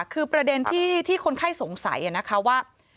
คือประเด็นที่คนไข้สงสัยนะคะว่า